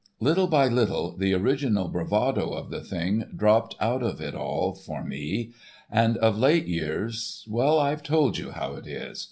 Little by little the original bravado of the thing dropped out of it all for me; and of late years—well I have told you how it is.